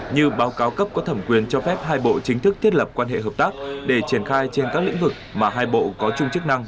như báo cáo cấp có thẩm quyền cho phép hai bộ chính thức thiết lập quan hệ hợp tác để triển khai trên các lĩnh vực mà hai bộ có chung chức năng